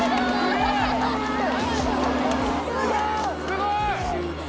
すごーい！